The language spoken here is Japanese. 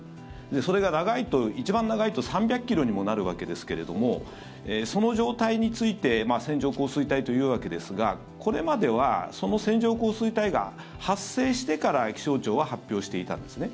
それが長いと、一番長いと３００ｋｍにもなるわけですがその状態について線状降水帯と言うわけですがこれまではその線状降水帯が発生してから気象庁は発表していたんですね。